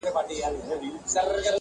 • مخامخ وتراشل سوي بت ته گوري.